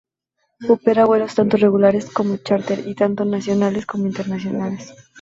Opera vuelos tanto regulares como chárter, y tanto nacionales como internacionales.